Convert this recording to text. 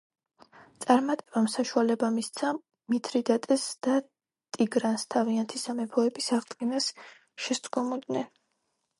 წარმატებამ საშუალება მისცა მითრიდატეს და ტიგრანს თავიანთი სამეფოების აღდგენას შესდგომოდნენ.